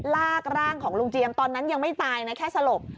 ลากร่างของลุงเจียมตอนนั้นยังไม่ตายนะแค่สลบ